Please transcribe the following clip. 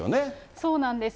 そうなんです。